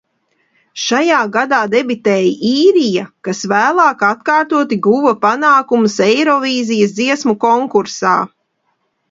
Šajā gadā debitēja Īrija, kas vēlāk atkārtoti guva panākumus Eirovīzijas dziesmu konkursā.